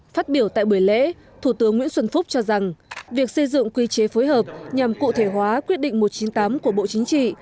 phát biểu tại buổi lễ thủ tướng nguyễn xuân phúc cho rằng việc xây dựng quy chế phối hợp nhằm cụ thể hóa quyết định một trăm chín mươi tám của bộ chính trị